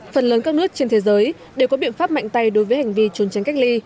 phần lớn các nước trên thế giới đều có biện pháp mạnh tay đối với hành vi trốn tránh cách ly